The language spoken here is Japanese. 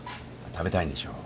食べたいんでしょ。